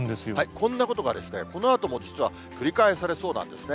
こんなことが、このあとも実は繰り返されそうなんですね。